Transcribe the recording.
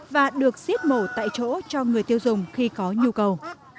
và được xiết mổ tại chỗ cho người tiêu dùng khi có nhu cầu